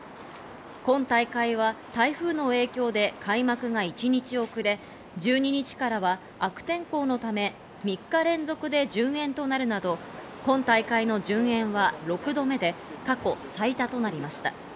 今大会は台風の影響で開幕が一日遅れ、１２日からは悪天候のため３日連続で順延となるなど、今大会の順延は６度目で、過去最多となりました。